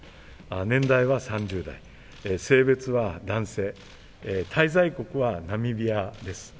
年代は３０代、性別は男性、滞在国はナミビアです。